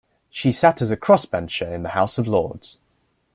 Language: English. She sat as a cross-bencher in the House of Lords.